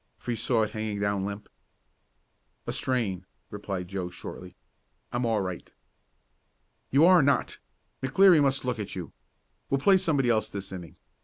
for he saw it hanging down limp. "A strain," replied Joe shortly. "I'm all right." "You are not! McLeary must look at you. We'll play somebody else this inning.